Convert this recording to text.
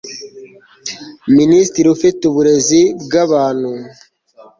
minisitiri ufite uburezi bw abantu